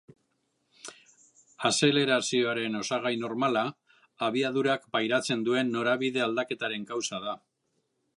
Azelerazioaren osagai normala abiadurak pairatzen duen norabide-aldaketaren kausa da.